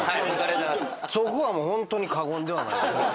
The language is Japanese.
そこはもうホントに過言ではない。